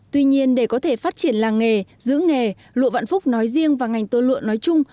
tuy nhiên để có thể phát triển làng nghề giữ nghề lụa vạn phúc nói riêng và ngành tơ lụa nói chung